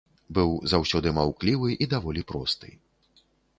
Быў заўсёды маўклівы і даволі просты.